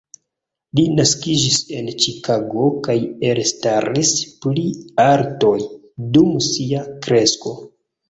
Li naskiĝis en Ĉikago kaj elstaris pri artoj, dum sia kresko.